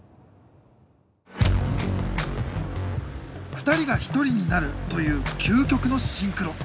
２人が１人になるという究極のシンクロ。